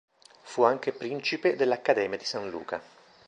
Fu anche "principe" dell'Accademia di San Luca.